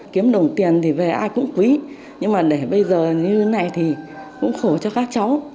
kiếm đồng tiền thì về ai cũng quý nhưng mà để bây giờ như thế này thì cũng khổ cho các cháu